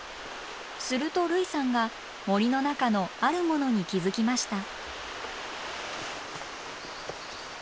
すると類さんが森の中のあるものに気付きました。